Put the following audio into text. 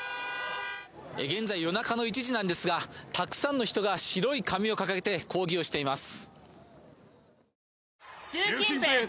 現在、夜中の１時なんですがたくさんの人が白い紙を掲げて抗議をしています。